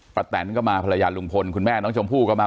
แตนก็มาภรรยาลุงพลคุณแม่น้องชมพู่ก็มา